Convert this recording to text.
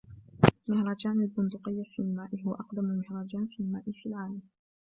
مهرجان البندقية السينمائي هو أقدم مهرجان سينِمائي في العالم.